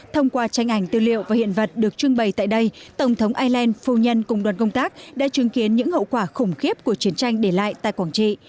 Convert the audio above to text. thông qua tranh ảnh tư liệu và hiện vật được trưng bày tại đây tổng thống ireland phu nhân cùng đoàn công tác đã chứng kiến những hậu quả khủng khiếp của chiến tranh để lại tại quảng trị